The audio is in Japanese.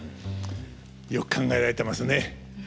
よく考えられてますね。